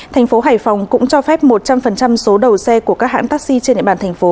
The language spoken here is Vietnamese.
thành phố hải phòng cũng cho phép một trăm linh số đầu xe của các hãng taxi trên địa bàn thành phố